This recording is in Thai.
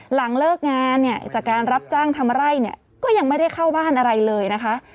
หลังเลิกงานเนี่ยจากการรับจ้างทำไร่เนี่ยก็ยังไม่ได้เข้าบ้านอะไรเลยนะคะ